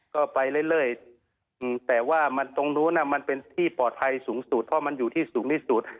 ก็ไปเรื่อยแต่ว่ามันตรงนู้นมันเป็นที่ปลอดภัยสูงสุดเพราะมันอยู่ที่สูงที่สุด